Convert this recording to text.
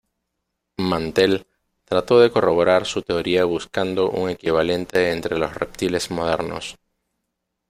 Mantell trató de corroborar su teoría buscando un equivalente entre los reptiles modernos.